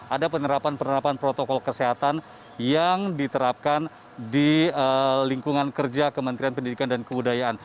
ada penerapan penerapan protokol kesehatan yang diterapkan di lingkungan kerja kementerian pendidikan dan kebudayaan